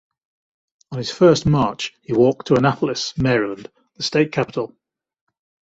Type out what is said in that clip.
On his first march he walked to Annapolis, Maryland, the state capital.